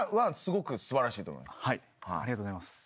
ありがとうございます。